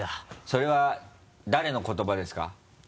それは誰の言葉ですか？